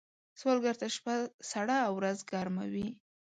سوالګر ته شپه سړه او ورځ ګرمه وي